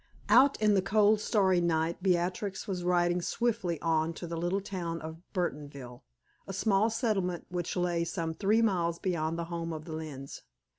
Out in the cold starry night Beatrix was riding swiftly on to the little town of Burtonville a small settlement which lay some three miles beyond the home of the Lynnes.